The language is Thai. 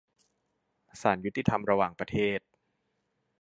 ศาลยุติธรรมระหว่างประเทศ